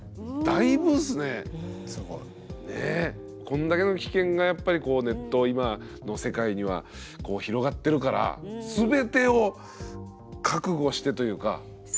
こんだけの危険がやっぱりこうネット今の世界にはこう広がってるから全てを覚悟してというか。